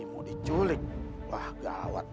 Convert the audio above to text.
bimbo diculik wah gawat